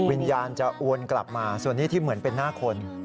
วิญญาณจะอวนกลับมาส่วนนี้ที่เหมือนเป็นหน้าคน